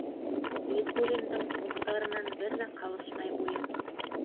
Никулиндың Мухтарынан бер ҙә ҡалышмай буйың.